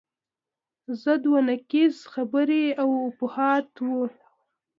ضد و نقیض خبرې او افواهات وو.